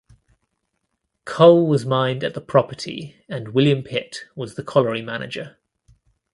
Coal was mined at the property and William Pitt was the colliery manager.